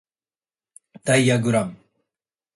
ダイアグラム